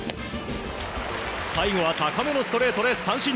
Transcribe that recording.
最後は高めのストレートで三振。